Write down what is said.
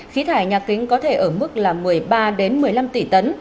khí thải nhà kính có thể ở mức là một mươi ba một mươi năm tỷ tấn